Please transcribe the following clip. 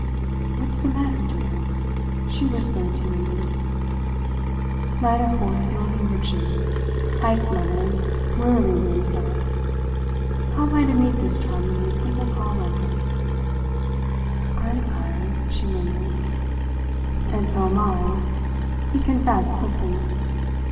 "What's the matter, dear?" she whispered timidly. "Neither force nor conviction," Heyst muttered wearily to himself. "How am I to meet this charmingly simple problem?" "I am sorry," she murmured. "And so am I," he confessed quickly.